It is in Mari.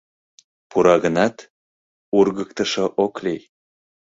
Пура гынат, ургыктышо ок лий.